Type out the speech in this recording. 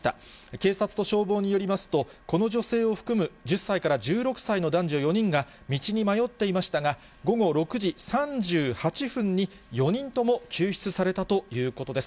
警察と消防によりますと、この女性を含む１０歳から１６歳の男女４人が、道に迷っていましたが、午後６時３８分に４人とも救出されたということです。